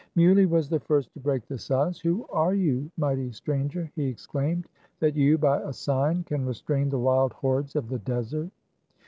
Muley was the first to break the silence. " Who are you, mighty stranger," he exclaimed, "that you, by a sign, can restrain the wild hordes of the desert